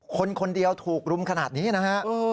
คนคนเดียวถูกรุมขนาดนี้นะฮะ